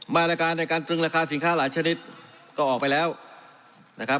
มาตรการในการตรึงราคาสินค้าหลายชนิดก็ออกไปแล้วนะครับ